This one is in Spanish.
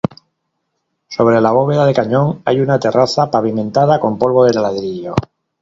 Sobre la bóveda de cañón hay una terraza pavimentada con polvo de ladrillo.